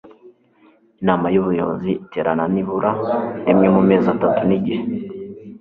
inama y'ubuyobozi iterana nibura rimwe mu mezi atatu n'igihe